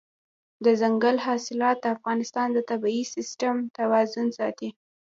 دځنګل حاصلات د افغانستان د طبعي سیسټم توازن ساتي.